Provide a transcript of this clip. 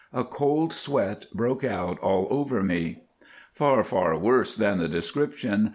A cold sweat broke out all over me. Far, far worse than the description.